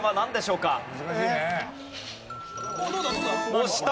押した。